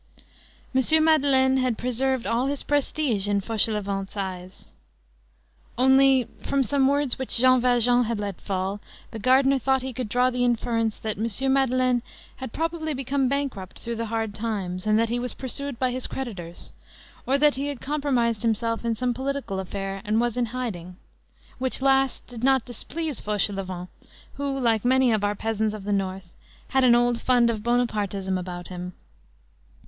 M. Madeleine had preserved all his prestige in Fauchelevent's eyes. Only, from some words which Jean Valjean had let fall, the gardener thought he could draw the inference that M. Madeleine had probably become bankrupt through the hard times, and that he was pursued by his creditors; or that he had compromised himself in some political affair, and was in hiding; which last did not displease Fauchelevent, who, like many of our peasants of the North, had an old fund of Bonapartism about him.